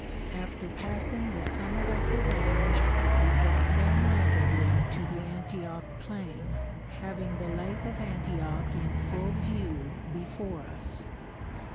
After passing the summit of the range we dropped down rapidly to the Antioch plain, having the lake of Antioch in full view before us.